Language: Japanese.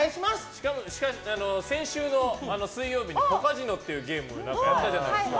先週の水曜日にポカジノっていうゲームをやったじゃないですか。